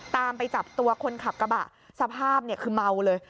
ตามไปจับตัวคนขับกระบะสภาพเนี่ยคือเมาเลย